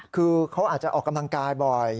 คือเขาอาจจะออกกำลังกายบ่อย